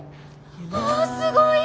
あすごい！